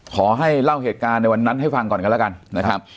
ขอให้เล่าเหตุการณ์ในวันนั้นให้ฟังก่อนกันแล้วกันนะครับ